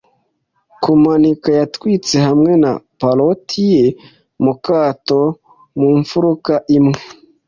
kumanika yatwitse hamwe na paroti ye mu kato mu mfuruka imwe.